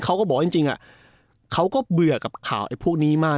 เขาก็บอกว่าจริงเขาก็เบื่อกับข่าวพวกนี้มาก